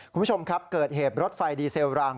คุณผู้ชมครับเกิดเหตุรถไฟดีเซลรัง